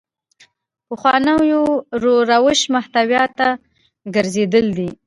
پخوانو روش محتوا ته ګرځېدل دي.